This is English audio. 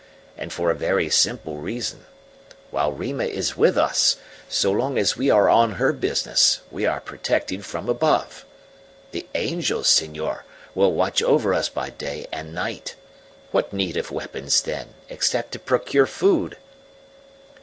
And for a very simple reason. While Rima is with us, so long as we are on her business, we are protected from above. The angels, senor, will watch over us by day and night. What need of weapons, then, except to procure food?"